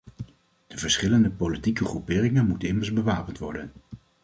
De verschillende politieke groeperingen moeten immers bewapend worden.